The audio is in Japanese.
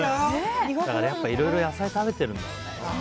いろいろ野菜食べてるんだろうね。